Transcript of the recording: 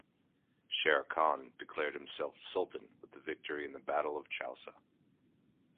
Sher Khan declared himself Sultan with the victory in the battle of Chausa.